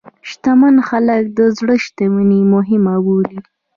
شتمن خلک د زړه شتمني مهمه بولي.